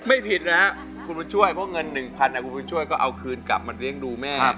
ไม่ผิดนะครับคุณบุญช่วยเพราะเงิน๑๐๐คุณบุญช่วยก็เอาคืนกลับมาเลี้ยงดูแม่